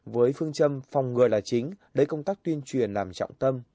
với phương châm phòng ngừa là chính lấy công tác tuyên truyền làm trọng tâm